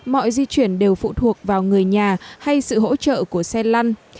mọi di chuyển đều phụ thuộc vào người nhà hay sự hỗ trợ của xe lăn